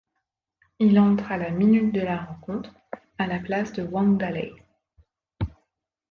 Il entre à la minute de la rencontre, à la place de Wang Dalei.